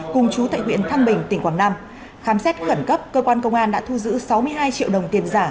cùng chú tại huyện thăng bình tỉnh quảng nam khám xét khẩn cấp cơ quan công an đã thu giữ sáu mươi hai triệu đồng tiền giả